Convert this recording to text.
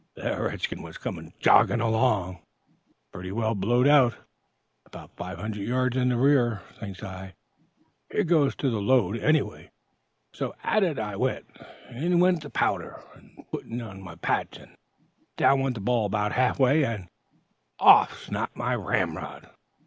The red skin was coming jogging along, pretty well blowed out, about five hundred yards in the rear. Thinks I, 'Here goes to load, anyhow.' So at it I went: in went the powder, and, putting on my patch, down went the ball about half way, and off snapped my ramrod!"